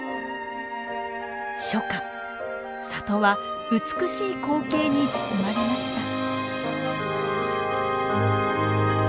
初夏里は美しい光景に包まれました。